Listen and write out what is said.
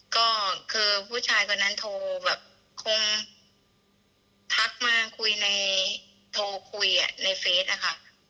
ก็คือผู้ชายคนนั้นโทรแบบคงทักมาโทรคุยอะในเฟสอ่ะค่ะ